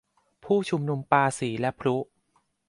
ผู้ชุมนุมปาสีและพลุ